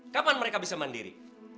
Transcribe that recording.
kapan mereka bisa mandiri